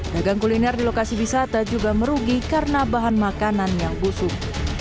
dagang kuliner di lokasi wisata juga merugi karena bahan makanan yang busuk